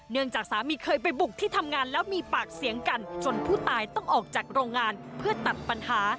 จากสามีเคยไปบุกที่ทำงานแล้วมีปากเสียงกันจนผู้ตายต้องออกจากโรงงานเพื่อตัดปัญหา